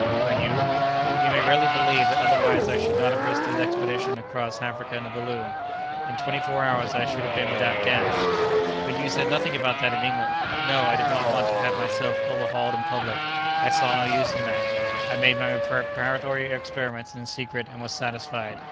"By you?" "You may readily believe that otherwise I should not have risked this expedition across Africa in a balloon. In twenty four hours I should have been without gas!" "But you said nothing about that in England?" "No! I did not want to have myself overhauled in public. I saw no use in that. I made my preparatory experiments in secret and was satisfied.